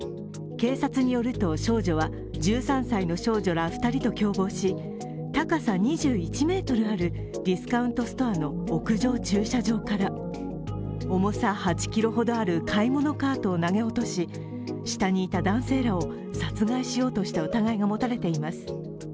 警察によると、少女は１３歳の少女ら２人と共謀し高さ２１ｍあるディスカウントストアの屋上駐車場から重さ８ｋｇほどある買い物カートを投げ落とし下にいた男性らを殺害しようとした疑いが持たれています。